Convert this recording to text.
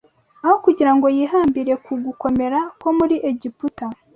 Aho kugira ngo yihambire ku gukomera ko muri Egiputa